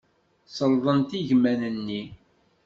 Selḍent igmaḍ-nni.